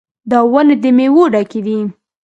دا ونې د میوو ډکې دي.